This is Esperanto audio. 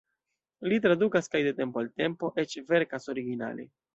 Li tradukas kaj de tempo al tempo eĉ verkas originale.